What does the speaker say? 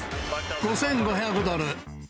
５５００ドル。